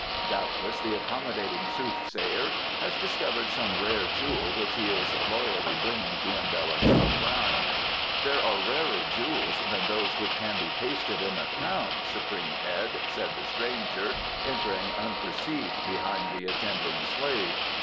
Doubtless the accommodating soothsayer has discovered some rare jewel which he is loyally bringing to embellish our crown." "There are rarer jewels than those which can be pasted in a crown, Supreme Head," said the stranger, entering unperceived behind the attending slave.